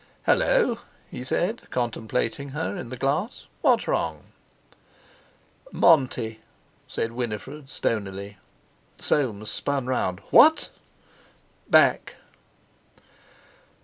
"Hullo!" he said, contemplating her in the glass; "what's wrong?" "Monty!" said Winifred stonily. Soames spun round. "What!" "Back!"